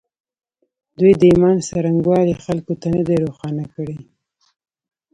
دوی د ایمان څرنګوالی خلکو ته نه دی روښانه کړی